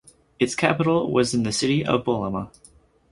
Its capital was in the city of Bolama.